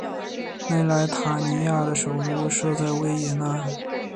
内莱塔尼亚的首都设在维也纳。